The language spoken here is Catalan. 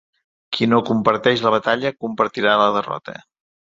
Qui no comparteix la batalla, compartirà la derrota.